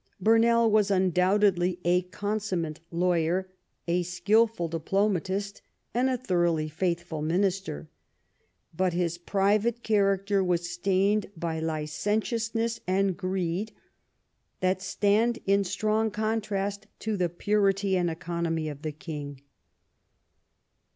Burnell was undoul^tedly a consummate law3'er, a skilful diplomatist, and a thoroughly faithful minister ; but his })rivate character was stained by licentiousness and greed, that stand in strong contrast to the purity and economy of the king.